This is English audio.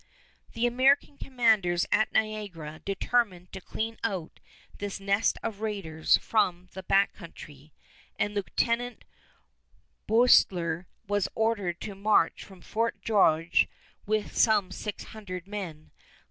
The American commanders at Niagara determined to clean out this nest of raiders from the Back Country, and Lieutenant Boerstler was ordered to march from Fort George with some six hundred men.